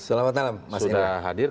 selamat malam mas indra